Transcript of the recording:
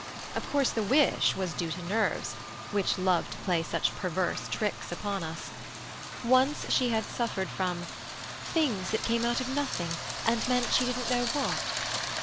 Of course, the wish was due to nerves, which love to play such perverse tricks upon us. Once she had suffered from "things that came out of nothing and meant she didn't know what."